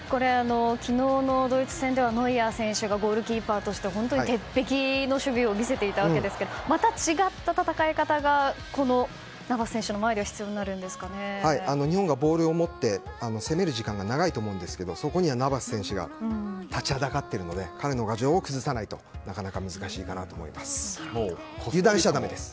昨日のドイツ戦ではノイアー選手がゴールキーパーとして鉄壁の守備を見せていましたがまた違った戦い方がこのナバス選手の前では日本がボールを持って攻める時間が長いと思いますがそこにはナバス選手が立ちはだかっているので彼の牙城を崩さないとなかなか難しいかなと思います。